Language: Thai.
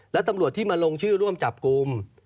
และตำรวจที่มาลงชื่อร่วมจับกลุ่ม